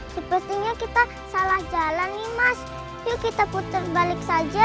sepertinya kita salah jalan nih mas yuk kita putar balik saja